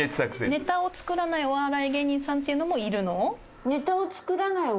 ネタを作らないお笑い芸人さんとかもいるの？